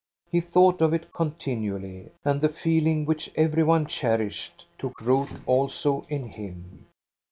He thought of it continually, and the feeling which every one cherished took root also in him.